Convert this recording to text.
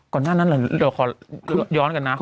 ก่อนหน้านั้นเดี๋ยวขอย้อนกันนะ